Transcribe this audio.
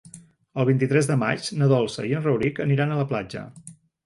El vint-i-tres de maig na Dolça i en Rauric aniran a la platja.